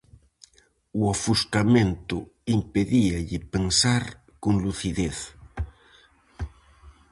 O ofuscamento impedíalle pensar con lucidez.